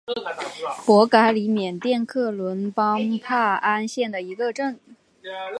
博嘎里缅甸克伦邦帕安县的一个镇。